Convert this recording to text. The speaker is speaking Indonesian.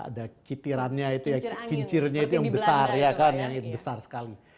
ada kitirannya itu ya kincirnya itu yang besar ya kan yang besar sekali